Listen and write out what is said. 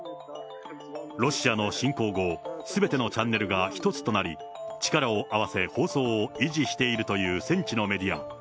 ロシアの侵攻後、すべてのチャンネルが一つとなり、力を合わせ放送を維持しているという戦地のメディア。